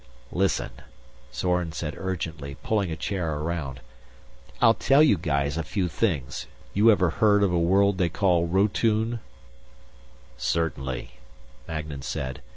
"Listen," Zorn said urgently, pulling a chair around. "I'll tell you guys a few things. You ever heard of a world they call Rotune?" "Certainly," Magnan said.